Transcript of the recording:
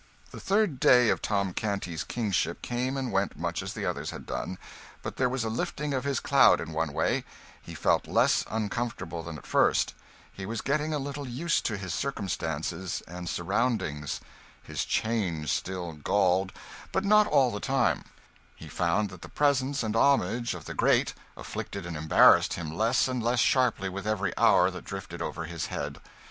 The third day of Tom Canty's kingship came and went much as the others had done, but there was a lifting of his cloud in one way he felt less uncomfortable than at first; he was getting a little used to his circumstances and surroundings; his chains still galled, but not all the time; he found that the presence and homage of the great afflicted and embarrassed him less and less sharply with every hour that drifted over his head.